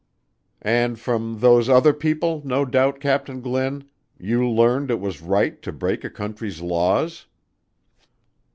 "And from those other people, no doubt, Captain Glynn, you learned it was right to break a country's laws?"